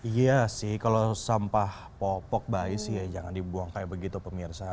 iya sih kalau sampah popok bayi sih ya jangan dibuang kayak begitu pemirsa